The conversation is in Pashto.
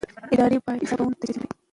ادارې باید حساب ورکونې ته چمتو وي